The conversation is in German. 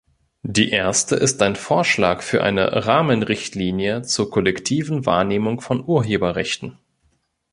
Die erste ist ein Vorschlag für eine Rahmenrichtlinie zur kollektiven Wahrnehmung von Urheberrechten.